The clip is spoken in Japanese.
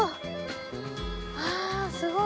わぁすごい。